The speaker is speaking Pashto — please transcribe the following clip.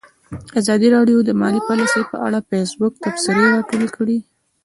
ازادي راډیو د مالي پالیسي په اړه د فیسبوک تبصرې راټولې کړي.